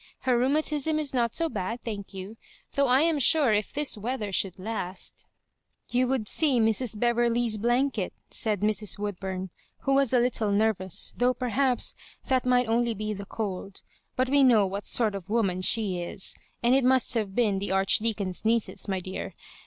Her rheumatism is not so bad, thank you — though I am sure if this weather should last—" "You would see Mrs. Beverley*s blanket," said Mrs. Woodburn, who was a little nervous, though perhaps that might only be the cold; *' but we know what sort of woman she is, and it must have been the Archdeacon's nieces, my dear.